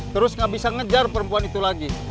terus gak bisa ngejar perempuan itu lagi